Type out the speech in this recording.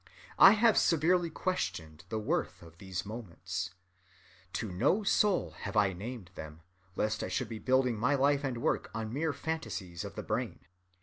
I have severely questioned the worth of these moments. To no soul have I named them, lest I should be building my life and work on mere phantasies of the brain.